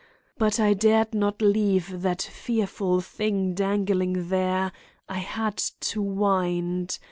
But I dared not leave that fearful thing dangling there; I had to wind.